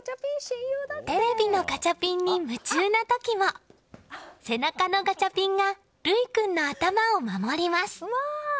テレビのガチャピンに夢中な時も背中のガチャピンが琉衣君の頭を守ります。